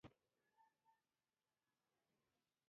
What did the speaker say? احمد بې باروتو ټکان کوي.